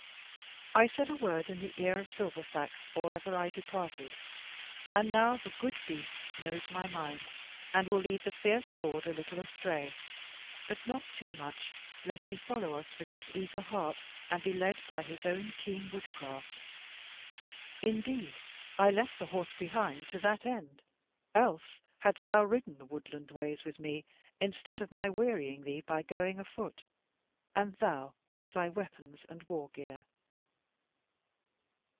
I said a word in the ear of Silverfax or ever I departed, and now the good beast knows my mind, and will lead the fierce lord a little astray, but not too much, lest he follow us with his eager heart and be led by his own keen woodcraft. Indeed, I left the horse behind to that end, else hadst thou ridden the woodland ways with me, instead of my wearying thee by our going afoot; and thou with thy weapons and wargear."